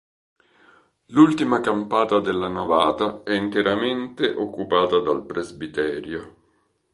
L'ultima campata della navata è interamente occupata dal presbiterio.